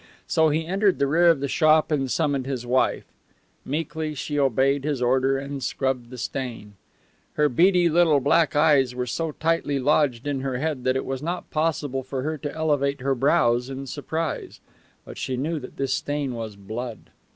So he entered the rear of the shop and summoned his wife. Meekly she obeyed his order and scrubbed the stain. Her beady little black eyes were so tightly lodged in her head that it was not possible for her to elevate her brows in surprise. But she knew that this stain was blood.